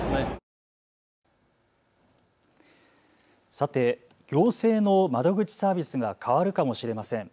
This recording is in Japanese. さて、行政の窓口サービスが変わるかもしれません。